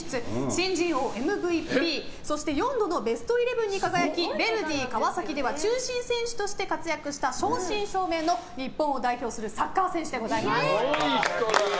新人王、ＭＶＰ、そして４度のベストイレブンに輝きヴェルディ川崎では中心選手として活躍した正真正銘の日本を代表するサッカー選手です。